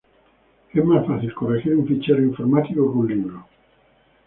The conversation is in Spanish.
Es más fácil corregir un fichero informático que un libro.